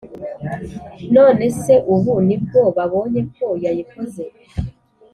none seubu nibwo babonye ko yayikoze?